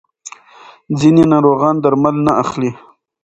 ځینې ناروغان درمل نه اخلي.